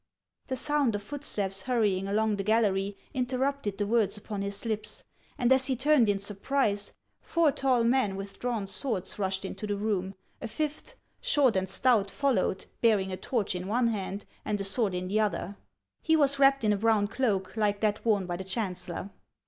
The sound of footsteps hurrying along the gallery inter rupted the words upon his lips ; and as he turned in sur prise, four tall men, with drawn swords, rushed into the room ; a fifth, short and stout, followed, bearing a torch in one hand and a sword in the other. He was wrapped in a brown cloak, like that worn by the chancellor.